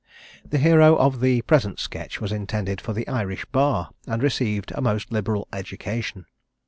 The hero of the present sketch was intended for the Irish Bar, and received a most liberal education.